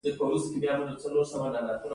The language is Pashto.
د بلیک باډي وړانګې پلانک قانون تعقیبوي.